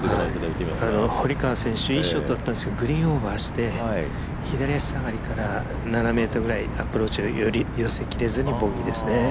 堀川選手、いいショットだったんですけどグリーンオーバーして左足下がりから７ｍぐらいからアプローチを寄せきれずにボギーですね。